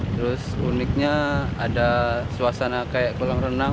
terus uniknya ada suasana kayak kolam renang